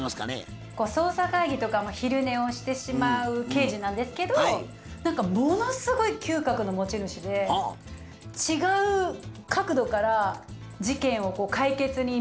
捜査会議とかも昼寝をしてしまう刑事なんですけど何かものすごい嗅覚の持ち主で違う角度から事件を解決に導く私の相棒刑事。